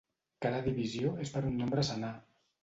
Cada divisió és per un nombre senar.